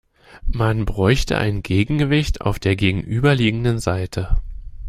Man bräuchte ein Gegengewicht auf der gegenüberliegenden Seite.